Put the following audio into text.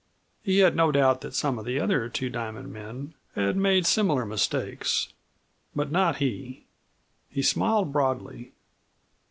He had no doubt that some of the other Two Diamond men had made similar mistakes, but not he. He smiled broadly.